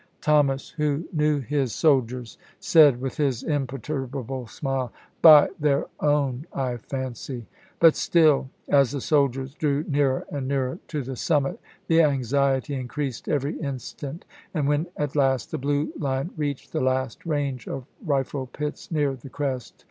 Thomas, who knew his CHATTANOOGA 151 soldiers,^ said, with his imperturbable smile :" By chap. v. their own, I fancy "; but still, as the soldiers di ew nearer and nearer to the summit, the anxiety in creased every instant, and when at last the blue line reached the last range of rifle pits near the crest.